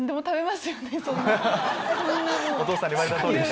お父さんに言われたとおりね。